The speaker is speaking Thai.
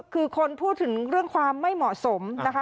คือคนพูดถึงเรื่องความไม่เหมาะสมนะคะ